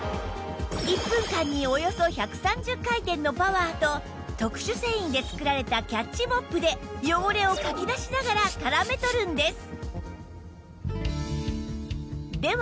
１分間におよそ１３０回転のパワーと特殊繊維で作られたキャッチモップで汚れをかき出しながら絡め取るんです